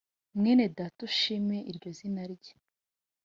Mwene Dat’ushimwe - iryo zina rye